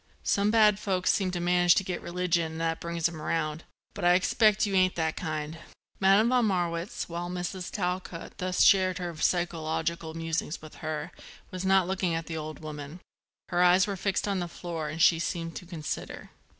Some bad folks seem to manage to get religion and that brings 'em round; but I expect you ain't that kind." Madame von Marwitz, while Mrs. Talcott thus shared her psychological musings with her, was not looking at the old woman: her eyes were fixed on the floor and she seemed to consider.